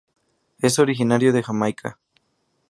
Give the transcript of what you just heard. Es originario de Jamaica.